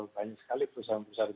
banyak sekali perusahaan perusahaan